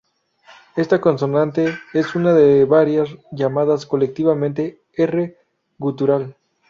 Esta consonante es una de varias llamadas colectivamente R gutural.